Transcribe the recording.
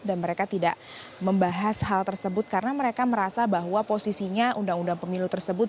dan mereka tidak membahas hal tersebut karena mereka merasa bahwa posisinya undang undang pemilu tersebut